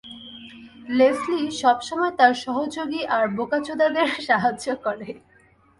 Leslie সবসময় তার সহযোগী আর বোকাচোদাদের সাহায্য করে।